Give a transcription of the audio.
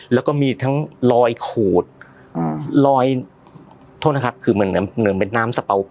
แล้วก็มีทั้งรอยขูดอ่ารอยโทษนะครับคือเหมือนเหมือนเป็นน้ำสเป๋า